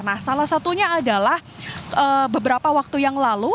nah salah satunya adalah beberapa waktu yang lalu